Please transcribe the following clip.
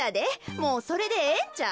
もうそれでええんちゃう？